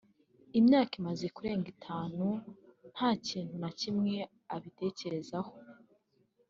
imyaka imaze kurenga itanu nta kintu na kimwe abitekerezaho